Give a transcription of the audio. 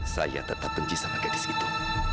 saya tetap penci sama gadis itu